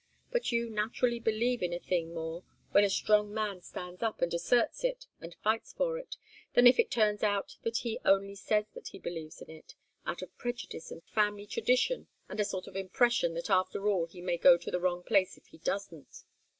But you naturally believe in a thing more when a strong man stands up and asserts it and fights for it, than if it turns out that he only says that he believes in it, out of prejudice and family tradition and a sort of impression that after all he may go to the wrong place if he doesn't.